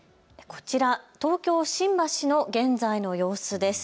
こちら、東京新橋の現在の様子です。